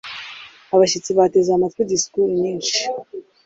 Abashyitsi bateze amatwi disikuru nyinshi.